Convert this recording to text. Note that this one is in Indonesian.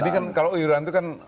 ini kan kalau iuran itu kan